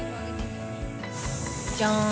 じゃん。